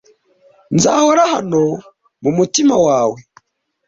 Nzahora hano mumutima wawe.